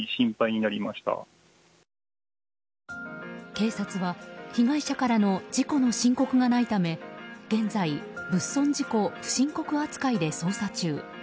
警察は、被害者からの事故の申告がないため現在、物損事故不申告扱いで捜査中。